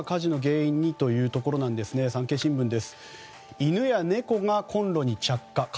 犬や猫がコンロに着火。